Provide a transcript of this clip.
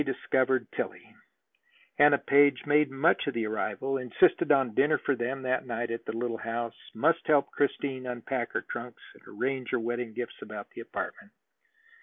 discovered Tillie. Anna Page made much of the arrival, insisted on dinner for them that night at the little house, must help Christine unpack her trunks and arrange her wedding gifts about the apartment.